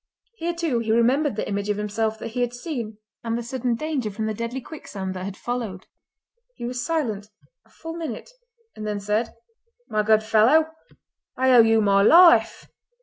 Here, too, he remembered the image of himself that he had seen and the sudden danger from the deadly quicksand that had followed. He was silent a full minute, and then said: "My good fellow, I owe you my life!"